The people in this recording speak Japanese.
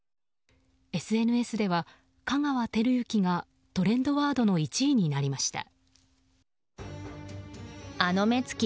ＳＮＳでは香川照之がトレンドワードの１位になりました。